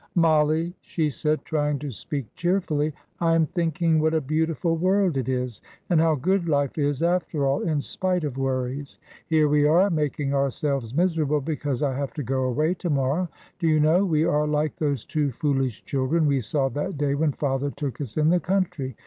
"Mollie," she said, trying to speak cheerfully, "I am thinking what a beautiful world it is, and how good life is, after all, in spite of worries. Here we are, making ourselves miserable because I have to go away to morrow. Do you know, we are like those two foolish children we saw that day when father took us in the country.